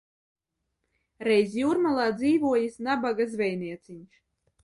Reiz jūrmalā dzīvojis nabaga zvejnieciņš.